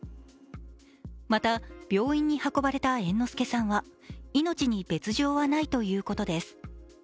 また、病院に運ばれた猿之助さんは命に別状はないということです。